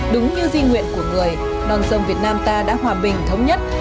đúng như di nguyện của người đòn sông việt nam ta đã hòa bình thống nhất